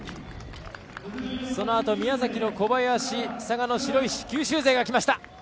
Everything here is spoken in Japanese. そのあと、宮崎の小林佐賀の白石、九州勢。